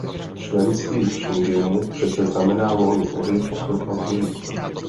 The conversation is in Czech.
Členství v Schengenu přece znamená volný pohyb osob a zboží.